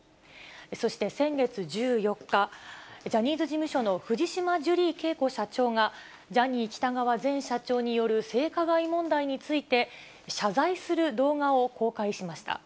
そして先月１４日、ジャニーズ事務所の藤島ジュリー景子社長が、ジャニー喜多川前社長による性加害問題について、謝罪する動画を公開しました。